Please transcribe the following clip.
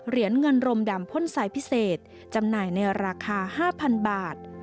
เหรียญเงินรมดำพ่นสายพิเศษจำหน่ายในราคา๕๐๐๐บาท